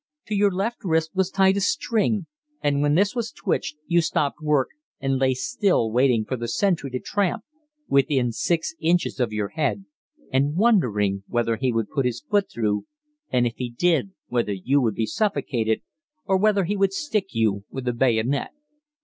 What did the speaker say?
To your left wrist was tied a string, and when this was twitched you stopped work and lay still waiting for the sentry to tramp within 6 inches of your head, and wondering when he would put his foot through, and if he did whether you would be suffocated or whether he would stick you with a bayonet.